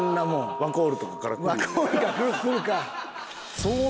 ワコールとかから来るよ。